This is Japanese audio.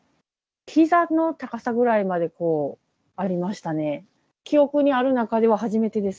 ひざの高さくらいまでありましたね。